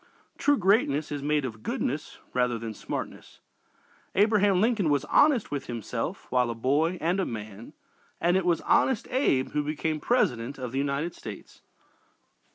True greatness is made of goodness rather than smartness. Abraham Lincoln was honest with himself while a boy and a man, and it was "Honest Abe" who became President of the United States.